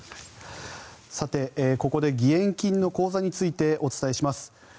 ここで義援金の口座についてお伝えします。